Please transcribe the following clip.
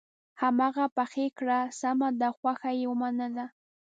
هماغه پخې کړه سمه ده خوښه یې ومنله.